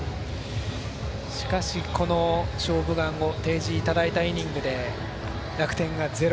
しかし、この「勝負眼」を提示いただいたイニングで楽天がゼロ。